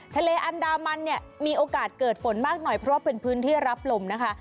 ทะเลอันดามันเนี่ยมีโอกาสเกิดฝนมากหน่อยเพราะว่าเป็นพื้นที่รับลมนะคะ